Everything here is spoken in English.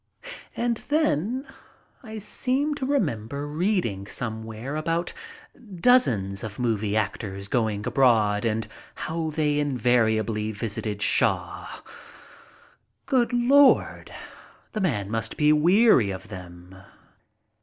And then I seem to remember reading somewhere about dozens of movie actors going abroad, and how "they invari ably visited Shaw. Good Lord ! the man must be weary of them.